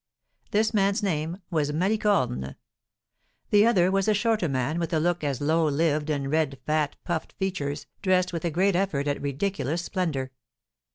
This man's name was Malicorne. The other was a shorter man, with a look as low lived, and red, fat, puffed features, dressed with a great effort at ridiculous splendour.